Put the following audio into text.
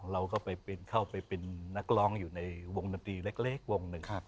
เราก็เข้าไปเป็นนักร้องอยู่ในวงดนตรีเล็กวงหนึ่ง